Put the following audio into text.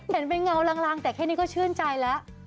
เห็นเป็นเงาลางแต่แค่นี้ก็ชื่นใจแล้ว